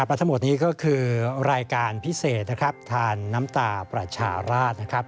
ถ้าเมื่อทั้งหมดนี้ก็คือรายการพิเศษทานน้ำตาปรัชานาศนะครับ